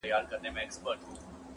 خالقه ورځي څه سوې توري شپې دي چي راځي!!